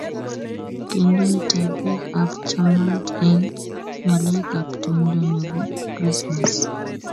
Kindoita biik ab chamait eng ngalek ab tumdo nebo krismas